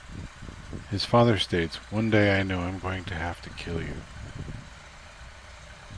His father states, One day I know I'm going to have to kill you.